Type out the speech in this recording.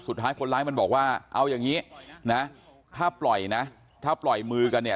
สุดท้ายคนร้ายมันบอกว่าเอาอย่างนี้นะถ้าปล่อยนะถ้าปล่อยมือกันเนี่ย